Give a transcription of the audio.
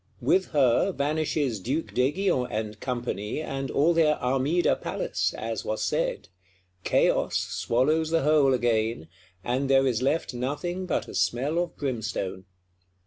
With her vanishes Duke d'Aiguillon and Company, and all their Armida Palace, as was said; Chaos swallows the whole again, and there is left nothing but a smell of brimstone.